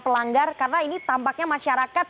pelanggar karena ini tampaknya masyarakat